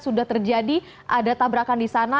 sudah terjadi ada tabrakan di sana